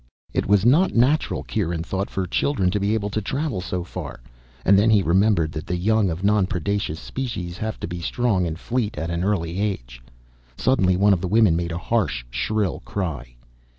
It was not natural, Kieran thought, for children to be able to travel so far, and then he remembered that the young of non predacious species have to be strong and fleet at an early age. Suddenly one of the women made a harsh, shrill cry.